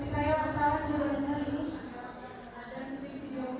terima kasih bisa minta